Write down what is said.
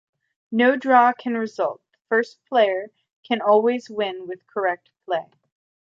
No draw can result; the first player can always win with correct play.